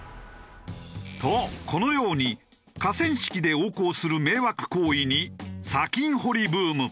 とこのように河川敷で横行する迷惑行為に砂金掘りブーム。